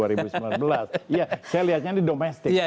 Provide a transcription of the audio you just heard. iya saya lihatnya ini domestik